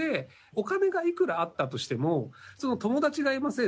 お金がいくらあったとしても友達がいません